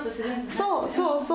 そうそうそう。